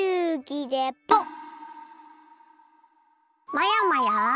まやまや！